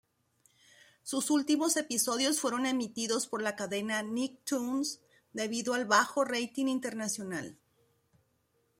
Sus últimos episodios fueron emitidos por la cadena Nicktoons debido al bajo rating internacional.